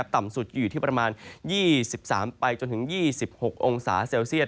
ต่ำสุดอยู่ที่ประมาณ๒๓ไปจนถึง๒๖องศาเซลเซียต